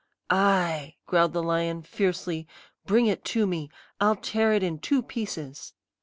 "'Ay,' growled the lion, fiercely; 'bring it to me. I'll tear it in two pieces!'